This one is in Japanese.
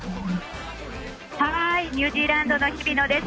ニュージーランドの日々野です。